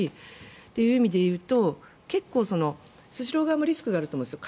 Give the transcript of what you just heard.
そういう意味でいうと結構スシロー側もリスクがあると思うんですよ。